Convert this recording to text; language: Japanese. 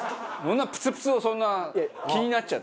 プツプツをそんな気になっちゃう。